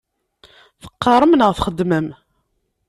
Teqqaṛem neɣ txeddmem?